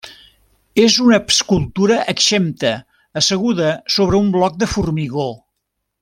És una escultura exempta asseguda sobre un bloc de formigó.